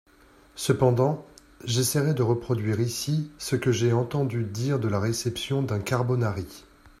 Cependant, j'essaierai de reproduire ici ce que j'ai entendu dire de la réception d'un carbonari.